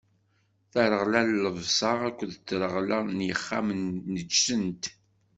Tareɣla n llebsa akked treɣla n yexxamen neǧsent.